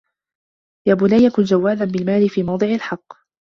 يَا بُنَيَّ كُنْ جَوَادًا بِالْمَالِ فِي مَوْضِعِ الْحَقِّ